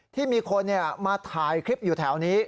ที่มีคนมาถ่ายคลิปอยู่แถวนี้